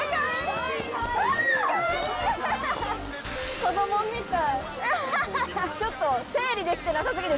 子供みたい。